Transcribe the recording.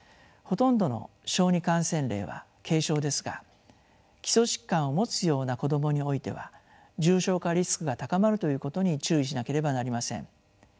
ほとんどの小児感染例は軽症ですが基礎疾患を持つような子どもにおいては重症化リスクが高まるということに注意しなければなりません。